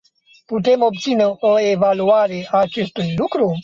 Putem obține o evaluare a acestui lucru?